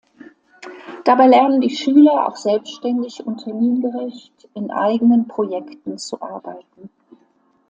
Dabei lernen die Schüler auch selbständig und termingerecht in eigenen Projekten zu arbeiten.